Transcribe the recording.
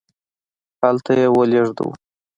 هلته یې ولیږدوو.